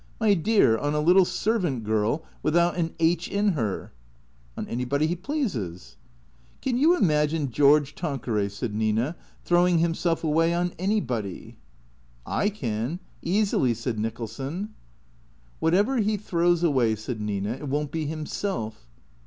My dear — on a little servant girl without an aitch in her?" " On anybody he pleases." " Can you imagine George Tanqueray," said Nina, " throw ing himself away on anybody ?" THE C R E A T 0 E S 99 "/ can — easily," said Nicholson. " Whatever he throws away," said Nina, " it won't be him self."